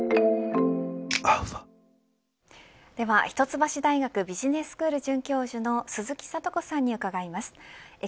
一橋大学ビジネススクール准教授の鈴木智子さんに伺います。